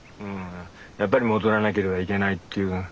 やっぱり戻らなければいけないっていう